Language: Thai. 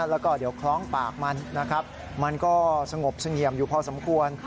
แล้วก็เดี๋ยวคล้องปากมันนะครับมันก็สงบเสงี่ยมอยู่พอสมควร